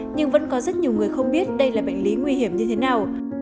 nhưng vẫn có rất nhiều người không biết đây là bệnh lý nguy hiểm như thế nào